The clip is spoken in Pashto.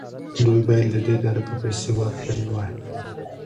دوی باید له دې درکه پیسې ورکړې وای.